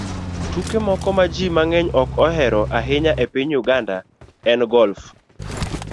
Tuke moko ma ji mang'eny ok ohero ahinya e piny Uganda en golf